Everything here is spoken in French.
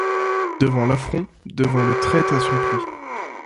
Devant l'affront, devant, le traître à son puys